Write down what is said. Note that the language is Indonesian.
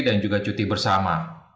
dan juga cuti bersama